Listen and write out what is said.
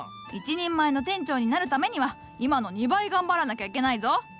一人前の店長になるためには今の２倍頑張らなきゃいけないぞ！